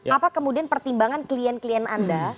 apa kemudian pertimbangan klien klien anda